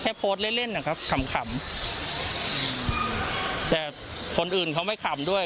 แค่โพสต์เล่นอ่ะครับขำแต่คนอื่นเขาไม่ขำด้วย